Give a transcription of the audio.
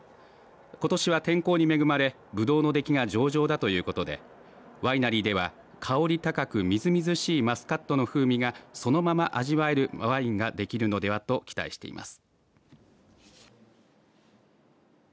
ことしは天候に恵まれブドウの出来が上々だということでワイナリーでは香り高くみずみずしいマスカットの風味がそのまま味わえるワインができるのではと期待しています。